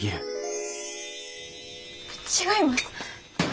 違います。